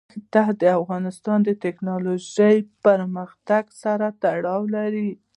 دښتې د افغانستان د تکنالوژۍ پرمختګ سره تړاو لري.